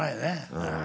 うん。